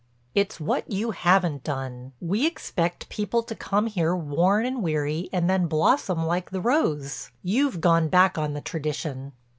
"It's what you haven't done. We expect people to come here worn and weary and then blossom like the rose. You've gone back on the tradition."